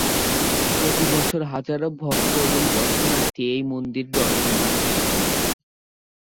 প্রতিবছর হাজারো ভক্ত এবং দর্শনার্থী এই মন্দির দর্শনে আসেন।